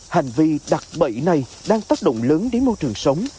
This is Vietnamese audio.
hành vi đặt bẫy này đang tác động lớn đến môi trường sống